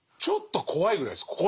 ちょっと怖いぐらいです